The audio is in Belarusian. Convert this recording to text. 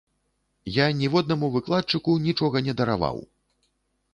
Я ніводнаму выкладчыку нічога не дараваў!